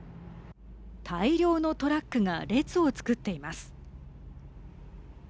大量のトラックが列を作っています。